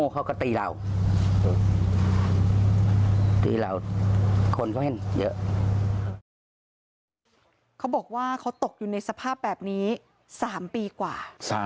เขาบอกว่าเขาตกอยู่ในสภาพแบบนี้๓ปีกว่า